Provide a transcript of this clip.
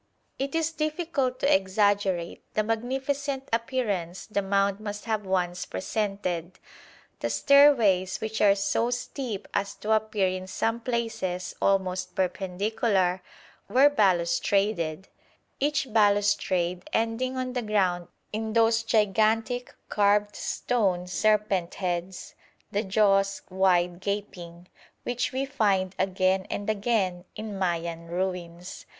It is difficult to exaggerate the magnificent appearance the mound must have once presented. The stairways, which are so steep as to appear in some places almost perpendicular, were balustraded, each balustrade ending on the ground in those gigantic carved stone serpent heads, the jaws wide gaping, which we find again and again in Mayan ruins.